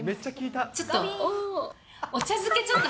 ちょっと。